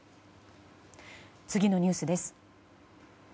次のニュースです。